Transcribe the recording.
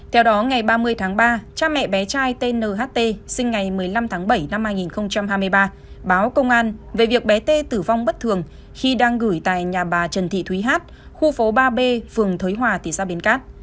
theo đó ngày ba mươi tháng ba cha mẹ bé trai tt sinh ngày một mươi năm tháng bảy năm hai nghìn hai mươi ba báo công an về việc bé t tử vong bất thường khi đang gửi tại nhà bà trần thị thúy hát khu phố ba b phường thới hòa thị xã bến cát